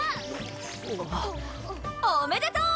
おめでとう！